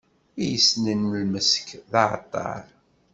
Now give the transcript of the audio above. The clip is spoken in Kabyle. I yessnen lmesk, d aɛeṭṭaṛ.